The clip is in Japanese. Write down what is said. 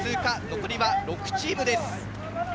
残りは６チームです。